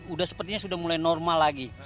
udah sepertinya sudah mulai normal lagi